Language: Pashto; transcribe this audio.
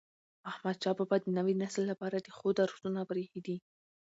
احمدشاه بابا د نوي نسل لپاره د ښو درسونه پريښي دي.